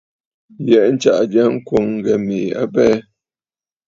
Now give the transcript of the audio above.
Yɛ̀ʼɛ̀ ntsaʼà jya ŋkwòŋ ŋghɛ mèʼê abɛɛ.